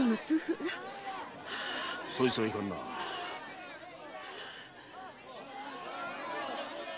そいつはいかんなあ。